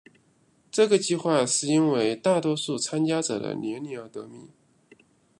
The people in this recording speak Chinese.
这个计画是因为大多数参加者的年龄而得名。